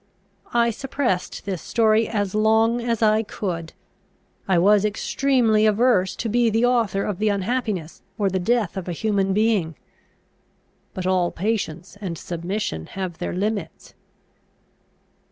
I suppressed this story as long as I could. I was extremely averse to be the author of the unhappiness or the death of a human being. But all patience and submission have their limits."